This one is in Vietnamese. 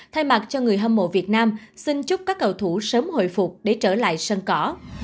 thay mặt cho người hâm mộ việt nam xin chúc các cầu thủ sớm hồi phục để trở lại sân cỏ